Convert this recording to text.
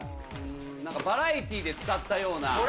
なんかバラエティーで使ったような。